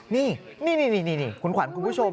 นี่คุณขวัญคุณผู้ชม